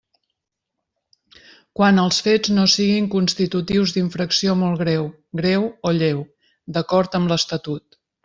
Quan els fets no siguin constitutius d'infracció molt greu, greu o lleu, d'acord amb l'Estatut.